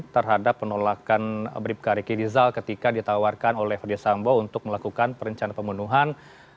terhadap penolakan bribka rekidizal ketika ditawarkan oleh fadil sambo untuk melakukan perencana pembunuhan